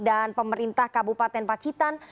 dan pemerintah kabupaten pacitan